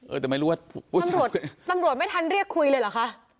เออแต่ไม่รู้ว่าตำรวจตำรวจไม่ทันเรียกคุยเลยเหรอคะ